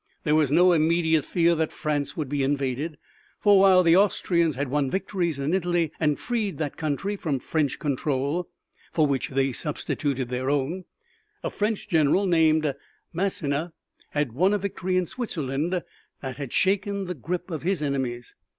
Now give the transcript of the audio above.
There was no immediate fear that France would be invaded, for while the Austrians had won victories in Italy and freed that country from French control, for which they substituted their own, a French general named Massena had won a victory in Switzerland that had shaken the grip of his enemies.